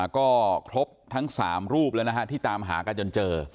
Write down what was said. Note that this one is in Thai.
ก็ครบทั้ง๓รูปแล้วนะฮะที่ตามหากันจนเจอ